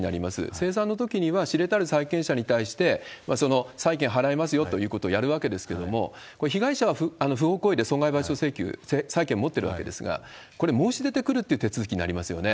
清算のときには、知れ至る債権者に対して、その債権払いますよということをやるわけですけれども、これ、被害者は不法行為で損害賠償請求、債権持ってるわけですが、これ、申し出てくるっていう手続きになりますよね。